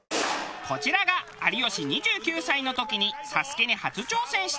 こちらが有吉２９歳の時に『ＳＡＳＵＫＥ』に初挑戦した映像。